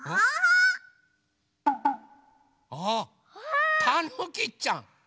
あたぬきちゃん。